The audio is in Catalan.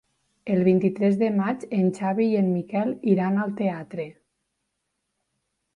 El vint-i-tres de maig en Xavi i en Miquel iran al teatre.